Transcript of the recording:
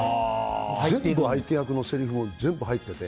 全部相手役のせりふも全部入ってて。